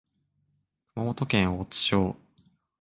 熊本県大津町